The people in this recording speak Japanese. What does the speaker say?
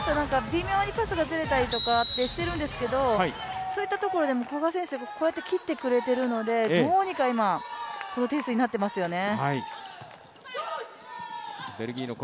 微妙にパスがずれたりとかしてるんですけどそういったところでも古賀選手、こうやって切ってくれているので、どうにか今、ペースになってますよね。